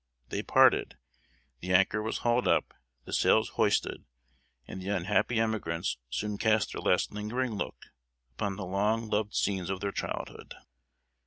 They parted; the anchor was hauled up, the sails hoisted; and the unhappy emigrants soon cast their last lingering look upon the long loved scenes of their childhood.